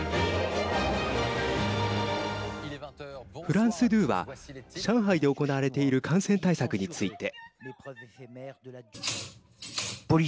フランス２は上海で行われている感染対策について。